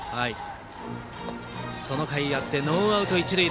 そのかいあってノーアウト、一塁。